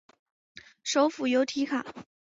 首府由提卡。